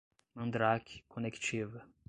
mandrake, conectiva